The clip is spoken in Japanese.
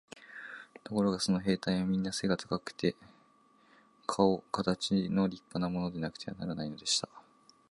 ところがその兵隊はみんな背が高くて、かおかたちの立派なものでなくてはならないのでした。